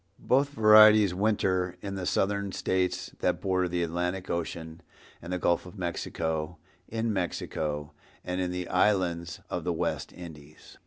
Both varieties winter in the Southern States that border the Atlantic ocean and the Gulf of Mexico, in Mexico and in the islands of the West Indies.